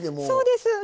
そうです。